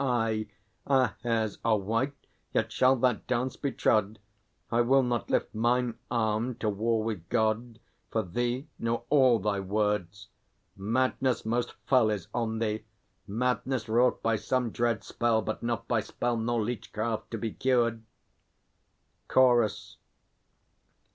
Aye, Our hairs are white, yet shall that dance be trod! I will not lift mine arm to war with God For thee nor all thy words. Madness most fell Is on thee, madness wrought by some dread spell, But not by spell nor leechcraft to be cured! CHORUS.